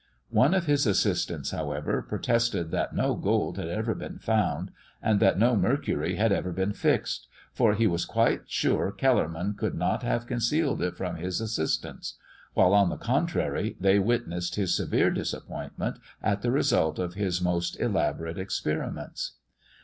One of his assistants, however, protested that no gold had ever been found, and that no mercury had ever been fixed, for he was quite sure Kellerman could not have concealed it from his assistants; while, on the contrary, they witnessed his severe disappointment at the result of his most elaborate experiments.